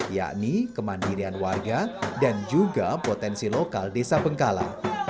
yakni kemandirian warga dan juga potensi lokal desa bengkala